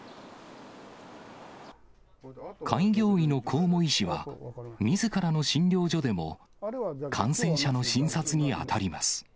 開業医の河面医師は、みずからの診療所でも感染者の診察に当たります。